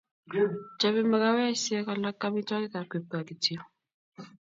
Chobei makawesiek alake amitwogikab kipkaa kityo